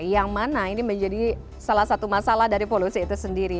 yang mana ini menjadi salah satu masalah dari polusi itu sendiri